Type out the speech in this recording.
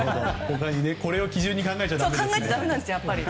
これを基準に考えちゃだめですね。